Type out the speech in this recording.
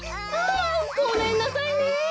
あごめんなさいね。